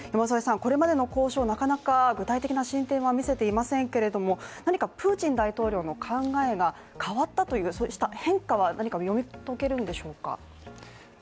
これまでの交渉、なかなか具体的な進展は見せていませんけれども何かプーチン大統領の考えが変わったという変化は読み解けるんでしょうか